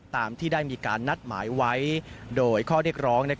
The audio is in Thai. ตามที่ได้มีการนัดหมายไว้โดยข้อเรียกร้อง